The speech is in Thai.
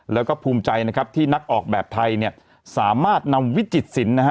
แล้วก็ภูมิใจนะครับที่นักออกแบบไทยเนี่ยสามารถนำวิจิตศิลป์นะฮะ